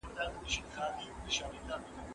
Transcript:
موږ د نورو خلکو له تجربو ګټه اخلو.